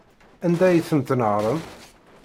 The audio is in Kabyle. Anda ay ten-tnehṛem?